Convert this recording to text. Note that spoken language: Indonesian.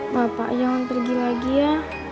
bapak jangan pergi lagi ya